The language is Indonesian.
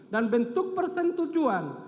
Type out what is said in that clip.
dan bentuk persentujuan